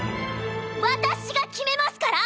私が決めますから！